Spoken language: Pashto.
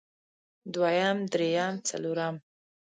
دويم درېيم څلورم